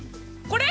これ？